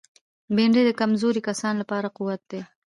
بېنډۍ د کمزوري کسانو لپاره قوت ده